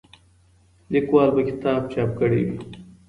لیکوال به کتاب چاپ کړی وي.